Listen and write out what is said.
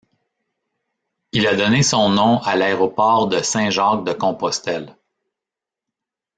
Il a donné son nom à l'aéroport de Saint-Jacques-de-Compostelle.